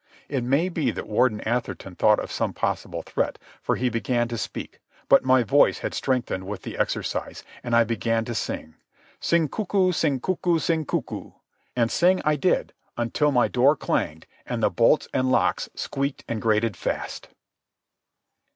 It may be that Warden Atherton thought of some possible threat, for he began to speak. But my voice had strengthened with the exercise, and I began to sing, "Sing cucu, sing cucu, sing cucu." And sing I did until my door clanged and the bolts and locks squeaked and grated fast.